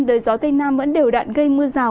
đời gió tây nam vẫn đều đạn gây mưa rào